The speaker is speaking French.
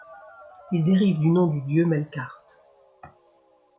Il dérive du nom du dieu Melqart.